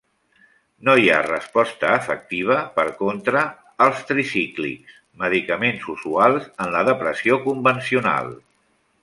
No hi ha resposta efectiva, per contra, als tricíclics, medicaments usuals en la depressió convencional.